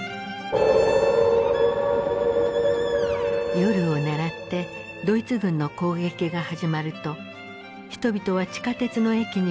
夜を狙ってドイツ軍の攻撃が始まると人々は地下鉄の駅に向かい避難した。